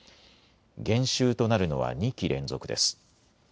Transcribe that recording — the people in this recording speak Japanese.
減収となるのは２期連続です。